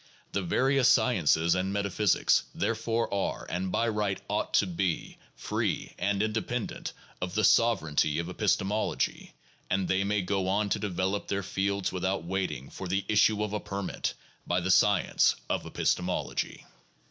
The various sciences and metaphysics, therefore, are and by right ought to be, free and independent of the sovereignty of epistemology, and they may go on to develop their fields without waiting for the issue of a permit by the science of epistemology.